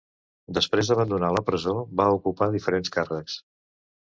Després d'abandonar la presó va ocupar diferents càrrecs.